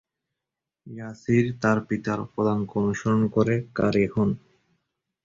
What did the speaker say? ইয়াসির তার পিতার পদাঙ্ক অনুসরণ করে, ক্বারী হন।